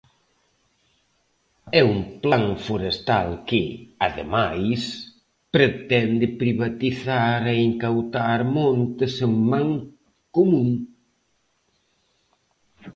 É un plan forestal que, ademais, pretende privatizar e incautar montes en man común.